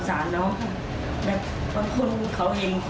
สวัสดีครับ